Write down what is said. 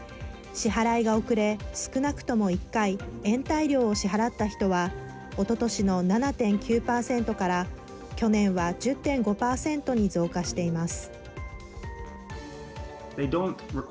支払いが遅れ、少なくとも１回延滞料を支払った人はおととしの７．９％から去年は１０．５％に増加しています。